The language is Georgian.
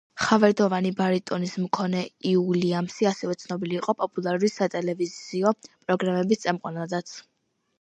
ხავერდოვანი ბარიტონის მქონე უილიამსი, ასევე, ცნობილი იყო პოპულარული სატელევიზიო პროგრამების წამყვანადაც.